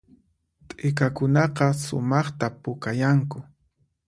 T'ikakunaqa sumaqta pukayanku